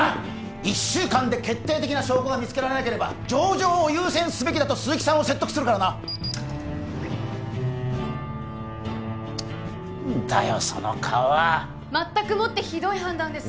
１週間で決定的な証拠が見つけられなければ情状を優先すべきだと鈴木さんを説得するからな何だよその顔はまったくもってひどい判断です